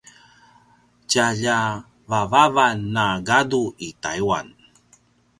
a tjalja vavavan a gadu i Taiwan